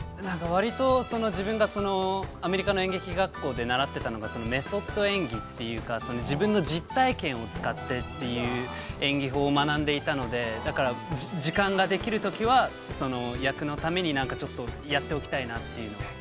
◆割と、自分が、アメリカの演劇学校で習ってたのが、メソッド演技というか、自分の実体験を使ってという演技法を学んでいたので、だから、時間ができるときは、役のためにちょっとやっておきたいなという。